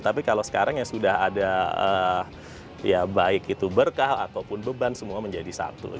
tapi kalau sekarang yang sudah ada ya baik itu berkah ataupun beban semua menjadi satu